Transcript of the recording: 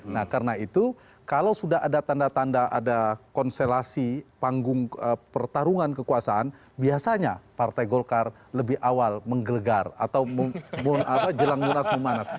nah karena itu kalau sudah ada tanda tanda ada konstelasi panggung pertarungan kekuasaan biasanya partai golkar lebih awal menggelegar atau jelang munas memanas